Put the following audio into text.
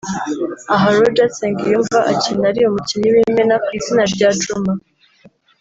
aho Roger Nsengiyumva akina ari umukinnyi w’imena ku izina rya Jumah